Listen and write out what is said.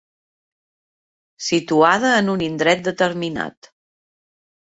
Situada en un indret determinat.